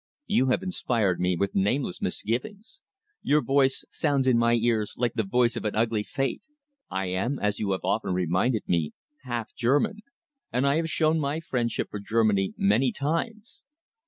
You have inspired me with nameless misgivings. Your voice sounds in my ears like the voice of an ugly fate. I am, as you have often reminded me, half German, and I have shown my friendship for Germany many times.